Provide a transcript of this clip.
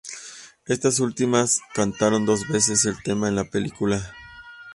Estas últimas cantaron dos veces el tema en la película.